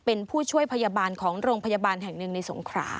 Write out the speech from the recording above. เป็นผู้ช่วยพยาบาลของโรงพยาบาลแห่งหนึ่งในสงขรา